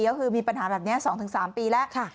ก็คือมีปัญหาแบบนี้๒๓ปีแล้ว